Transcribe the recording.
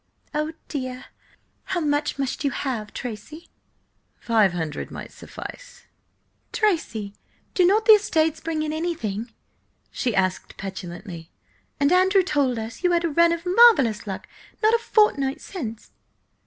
"Oh, dear! How much must you have, Tracy?" "Five hundred might suffice." "Tracy, do not the estates bring in anything?" she asked petulantly. "And Andrew told us you had a run of marvellous luck not a fortnight since?"